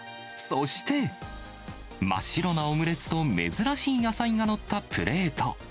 そして、真っ白なオムレツと珍しい野菜が載ったプレート。